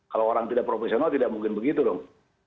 kalau orang tidak profesional tidak mungkin begitu dong